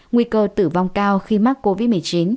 nguy cơ tử vong cao khi mắc covid một mươi chín